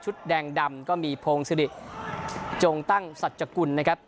ชุดแดงดำมีโพงสฤตจงตั้งสัจจกุลนะครับ